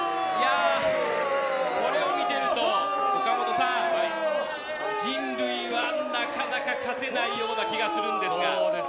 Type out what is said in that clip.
これを見ていると岡本さん人類はなかなか勝てないような気がするんですが。